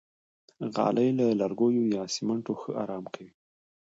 غالۍ له لرګیو یا سمنټو ښه آرام دي.